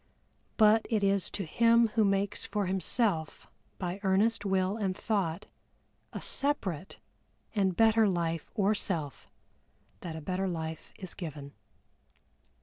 But it is to him who makes for himself, by earnest Will and Thought, a separate and better Life or Self that a better life is given.